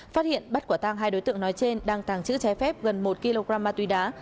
phát hiện bắt quả tang hai đối tượng nói trên đang tàng trữ trái phép gần một kg ma túy đá